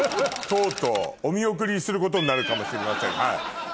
とうとうお見送りすることになるかもしれません。